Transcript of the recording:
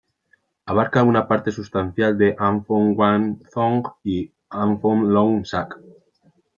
Abarca una parte sustancial de Amphoe Wang Thong, y Amphoe Lom Sak.